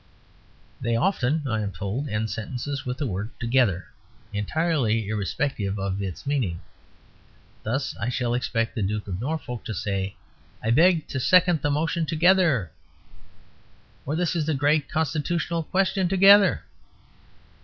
They often (I am told) end sentences with the word "together"; entirely irrespective of its meaning. Thus I shall expect the Duke of Norfolk to say: "I beg to second the motion together"; or "This is a great constitutional question together."